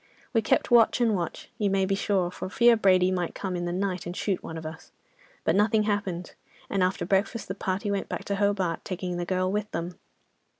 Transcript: We kept watch and watch, you may be sure, for fear Brady might come in the night, and shoot one of us, but nothing happened, and after breakfast the party went back to Hobart, taking the girl with them.